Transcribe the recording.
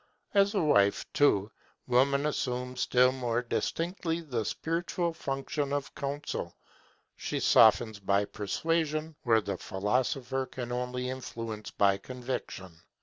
As a wife, too, Woman assumes still more distinctly the spiritual function of counsel; she softens by persuasion where the philosopher can only influence by conviction.